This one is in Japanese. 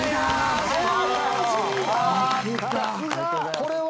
これは？